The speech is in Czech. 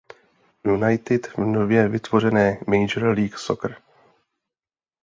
United v nově vytvořené Major League Soccer.